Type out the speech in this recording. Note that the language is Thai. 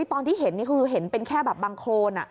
ตอนที่เห็นนี่คือเห็นเป็นแค่แบบบังโครน